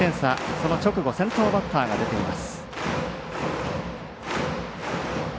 その直後先頭バッターが出ています。